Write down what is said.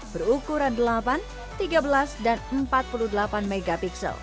berukuran delapan tiga belas dan empat puluh delapan mp